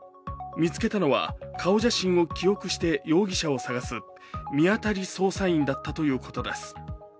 見つけたのは顔写真を記憶して容疑者を捜す見当たり捜査員だったということです。